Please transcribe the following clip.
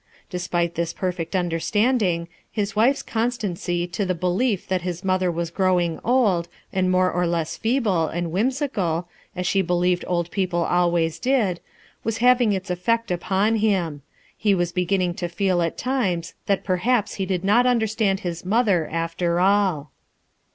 Despite this perfect understand ing, his wife's constancy to the belief that his mother was growing old, and more or less feeble, and whimsical, as she believed old people always did, was having its effect upon him; he was beginning to feel at times that perhaps he did not understand his mother, after all.